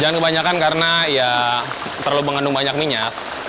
jangan kebanyakan karena ya terlalu mengandung banyak minyak